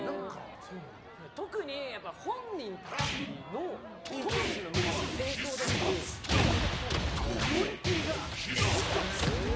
特に本人たちの当時の昔の映像で見る「仮面舞踏会」のクオリティーがエグすぎて。